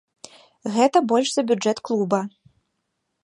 Гэта больш за бюджэт клуба.